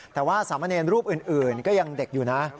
แต่ว่าสามเณรรูปอื่นก็ยังเด็กอยู่นะ